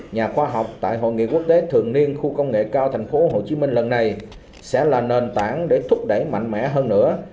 nhà khoa học tại hội nghị quốc tế thường niên khu công nghệ cao tp hcm lần này sẽ là nền tảng để thúc đẩy mạnh mẽ hơn nữa